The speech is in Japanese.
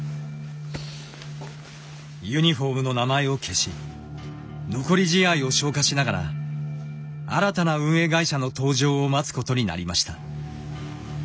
ユニホームの名前を消し残り試合を消化しながら新たな運営会社の登場を待つことになりました。